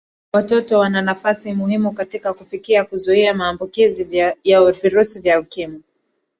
watoto wana nafasi muhimu katika kufikia kuzuia maambukizi ya virusi vya ukimwi